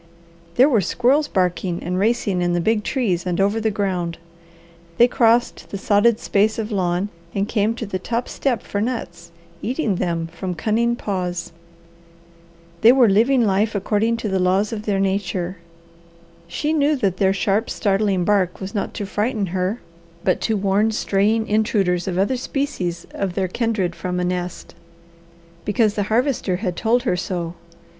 There were squirrels barking and racing in the big trees and over the ground. They crossed the sodded space of lawn and came to the top step for nuts, eating them from cunning paws. They were living life according to the laws of their nature. She knew that their sharp, startling bark was not to frighten her, but to warn straying intruders of other species of their kindred from a nest, because the Harvester had told her so.